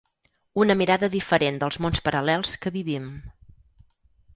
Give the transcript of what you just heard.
Una mirada diferent dels mons paral·lels que vivim.